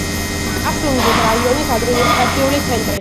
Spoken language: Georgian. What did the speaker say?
კასუნგუს რაიონის ადმინისტრაციული ცენტრი.